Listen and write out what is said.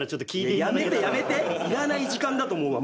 やめてやめていらない時間だと思うわマジで。